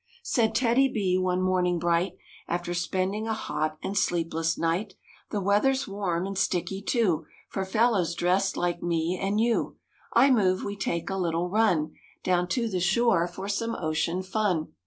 Said TEDDY B one morning bright, After spending a hot and sleepless night: " The weather's warm and sticky too For fellows dressed like me and you; I move we take a little run Down to the shore for some ocean fun.